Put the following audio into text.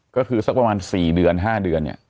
ก็คือสักประมาณ๔เดือน๕เดือนเนี่ย